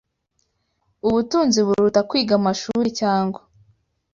ubutunzi buruta kwiga amashuri cyangwa